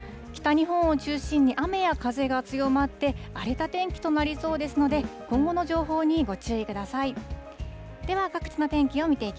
風の予想も重ねて見ていくと、北日本を中心に、雨や風が強まって、荒れた天気となりそうですので、今後の情報にご注意ください。